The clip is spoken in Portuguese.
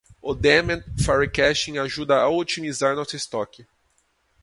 O demand forecasting ajuda a otimizar nosso estoque.